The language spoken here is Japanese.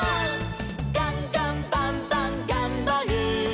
「ガンガンバンバンがんばる！」